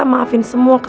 pagi rara yucin